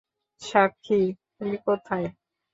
সাক্ষী, তুমি কোথায়?